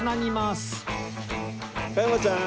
加山ちゃん。